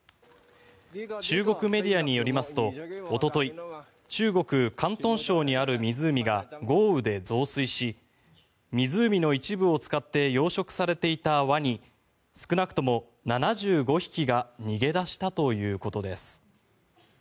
中国メディアによりますとおととい中国・広東省にある湖が豪雨で増水し、湖の一部を使って養殖されていたワニ少なくとも７５匹が逃げ出したということです。